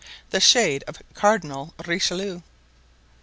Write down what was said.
The Shade of Cardinal Richelieu.